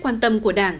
quan tâm của đảng